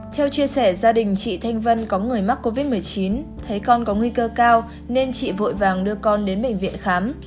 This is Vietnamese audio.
theo chia sẻ gia đình chị thanh vân có người mắc covid một mươi chín thấy con có nguy cơ cao nên chị vội vàng đưa con đến bệnh viện khám